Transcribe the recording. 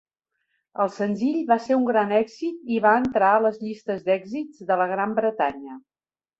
El senzill va ser un gran èxit i va entrar a les llistes d'èxits de la Gran Bretanya.